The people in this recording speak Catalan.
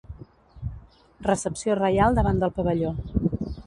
Recepció reial davant del pavelló.